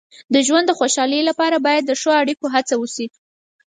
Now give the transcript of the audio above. د ژوند د خوشحالۍ لپاره باید د ښو اړیکو هڅه وشي.